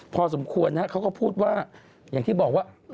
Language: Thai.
พอสมควรนะเขาก็พูดว่าอย่างที่บอกว่า